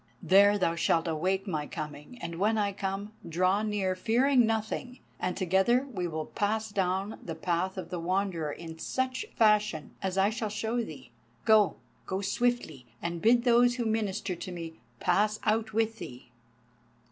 There thou shalt await my coming, and when I come, draw near, fearing nothing; and together we will pass down the path of the Wanderer in such fashion as I shall show thee. Go! go swiftly, and bid those who minister to me pass out with thee."